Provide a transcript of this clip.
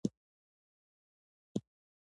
لومړۍ برخه د قران عظیم الشان ختم و.